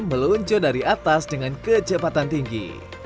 meluncur dari atas dengan kecepatan tinggi